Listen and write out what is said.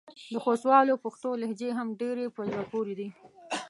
د خوستوالو پښتو لهجې هم ډېرې په زړه پورې دي.